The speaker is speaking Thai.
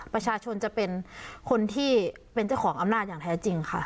ประชาชนจะเป็นคนที่เป็นเจ้าของอำนาจอย่างแท้จริงค่ะ